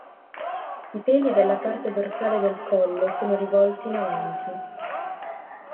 I peli della parte dorsale del collo sono rivolti in avanti.